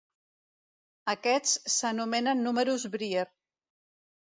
Aquests s'anomenen números Brier.